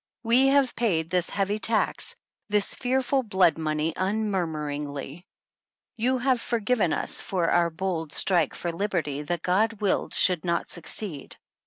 We have paid this heavy tax, this fearful blood money unmurmuringly. You have for given us for our bold strike for liberty that God willed should not succeed.